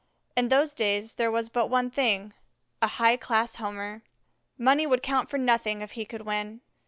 In those days there was but one thing a high class Homer. Money would count for nothing if he could win.